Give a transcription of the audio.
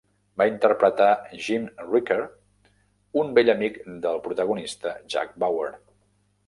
Va interpretar Jim Ricker, un vell amic del protagonista Jack Bauer.